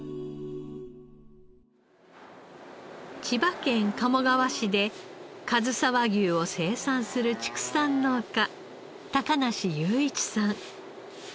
千葉県鴨川市でかずさ和牛を生産する畜産農家梨裕市さん。